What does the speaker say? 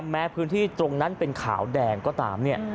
แม้พื้นที่ตรงนั้นเป็นขาวแดงก็ตามเนี่ย